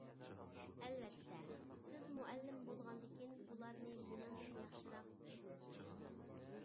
ئەلۋەتتە، سىز مۇئەللىم بولغاندىكىن بۇلارنى مېنىڭدىن ياخشىراق چۈشىنىسىز.